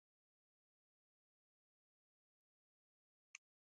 ژبه د ښکلا پیغام رسوي